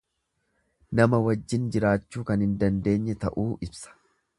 Nama wajjin jiraachuu kan hin dandeenye ta'uu ibsa.